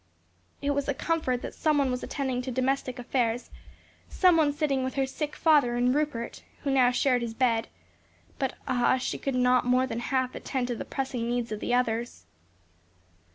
It was a comfort that some one was attending to domestic affairs, some one sitting with her sick father and Rupert, who now shared his bed; but ah, she could not more than half attend to the pressing needs of the others.